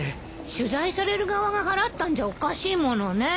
取材される側が払ったんじゃおかしいものね。